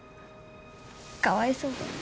かわいそうだよ。